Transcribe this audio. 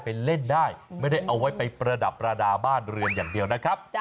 เล่นได้ไม่ได้เอาไว้ไปประดับประดาษบ้านเรือนอย่างเดียวนะครับ